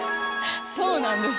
そうなんです。